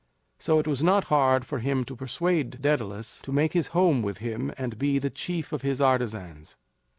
So it was not hard for him to persuade Daedalus to make his home with him and be the chief of his artisans.